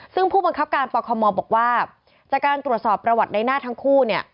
ซึ่งผู้บังคับการปคมบอกว่าจากการตรวจสอบประวัติในหน้าทั้งคู่เนี่ย